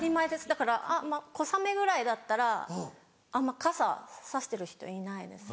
だから小雨ぐらいだったら傘差してる人いないです。